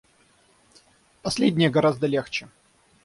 Последнее гораздо легче.